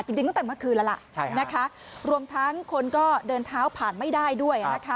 จริงตั้งแต่เมื่อคืนแล้วล่ะนะคะรวมทั้งคนก็เดินเท้าผ่านไม่ได้ด้วยนะคะ